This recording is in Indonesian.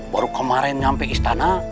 baru kemarin nyampe istana